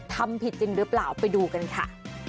ทำผิดจริงหรือเปล่าไปดูกันค่ะ